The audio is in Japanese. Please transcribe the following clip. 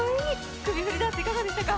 首振りダンス、いかがでしたか。